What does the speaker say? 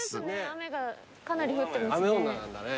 雨がかなり降ってますね。